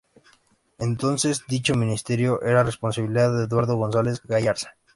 Entonces dicho ministerio era responsabilidad de Eduardo González-Gallarza.